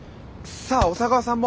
さあ小佐川さんも。